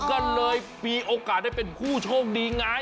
ก็เลยมีโอกาสได้เป็นผู้โชคดีไง